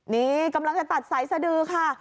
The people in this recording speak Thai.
นี่กำลังจะตัดสายสดือค่ะ